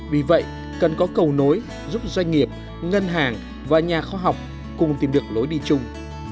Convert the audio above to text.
vì vậy cần có cầu nối giúp doanh nghiệp ngân hàng và nhà khoa học cùng tìm được lối đi chung